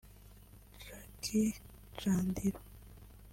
Jackie Chandiru